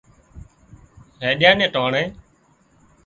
هينڏيا نين ٽانڻي